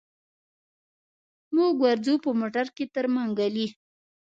موږ ورځو په موټر کي تر منګلي.